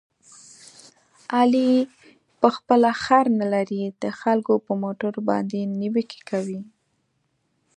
علي په خپله خر نه لري، د خلکو په موټرو باندې نیوکې کوي.